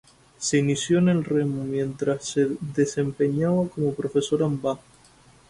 Se inició en el remo mientras se desempeñaba como profesora en Bath.